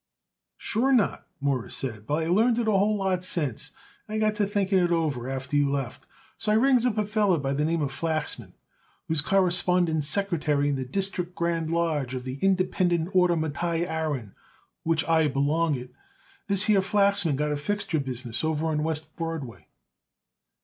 "Sure not," Morris said, "but I learned it a whole lot since. I got to thinking it over after you left. So I rings up a feller by the name Flachsman, what is corresponding secretary in the District Grand Lodge of the Independent Order Mattai Aaron, which I belong it. This here Flachsman got a fixture business over on West Broadway."